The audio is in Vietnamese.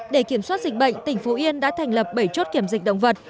để kiểm soát dịch bệnh tỉnh phú yên đã thành lập bảy chốt kiểm dịch động vật